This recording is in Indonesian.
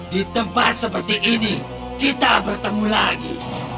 di tempat seperti ini kita bertemu lagi